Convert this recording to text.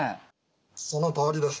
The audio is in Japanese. そのとおりです。